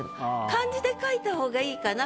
漢字で書いた方がいいかな。